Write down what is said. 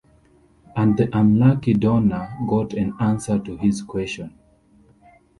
And the unlucky Donner got an answer to his question...